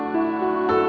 thì quý vị cần phải lưu ý